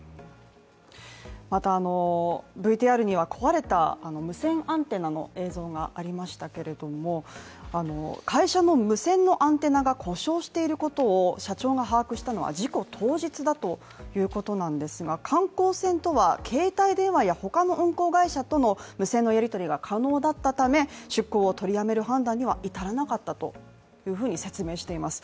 また、ＶＴＲには壊れた無線アンテナの映像がありましたけれども会社の無線のアンテナが故障していることを社長が把握したのは事故当日だということなんですが観光船とは携帯電話や他の運航会社との連絡が可能だったため、出航を取りやめる判断には至らなかったと説明しています。